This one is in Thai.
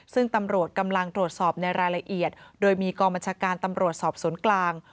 ซึ่งตำรวจกำลังตรวจสอบในรายละเอียดโดยมีกองบัญชาการตำรวจสอบสวนกลาง